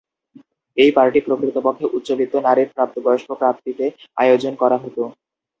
এই পার্টি প্রকৃতপক্ষে উচ্চবিত্ত নারীর প্রাপ্তবয়স্ক প্রাপ্তিতে আয়োজন করা হত।